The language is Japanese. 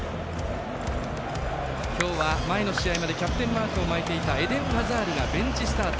今日は前の試合までキャプテンマークを巻いていたエデン・アザールがベンチスタート。